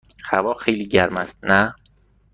هوا خیلی گرم است، نه؟